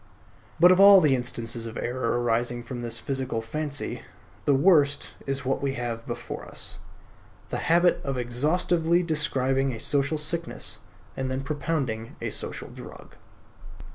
But of all the instances of error arising from this physical fancy, the worst is that we have before us: the habit of exhaustively describing a social sickness, and then propounding a social drug.